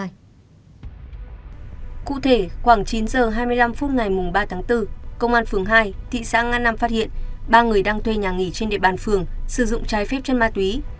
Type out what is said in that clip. cụ thể khoảng chín h hai mươi năm phút ngày ba tháng bốn công an phường hai thị xã nga năm phát hiện ba người đang thuê nhà nghỉ trên địa bàn phường sử dụng trái phép chân ma túy